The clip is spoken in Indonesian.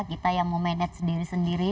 kita yang mau manage diri sendiri